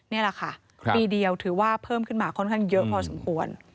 นี่แหละค่ะปีเดียวถือว่าเพิ่มขึ้นมาค่อนข้างเยอะพอสมควร